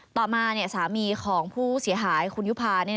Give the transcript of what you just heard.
ต่อมาสามีของผู้เสียหายคุณยุภา